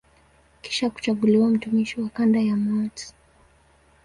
Kisha kuchaguliwa mtumishi wa kanda ya Mt.